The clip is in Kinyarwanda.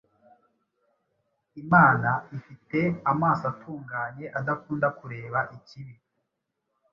Imana ifite “amaso atunganye, adakunda kureba ikibi,